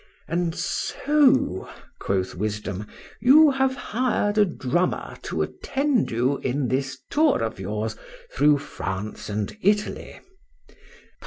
—And so, quoth Wisdom, you have hired a drummer to attend you in this tour of yours through France and Italy!